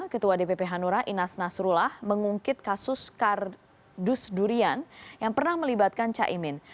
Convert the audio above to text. ketua dpp hanura inas nasrullah mengungkit kasus kardus durian yang pernah melibatkan caimin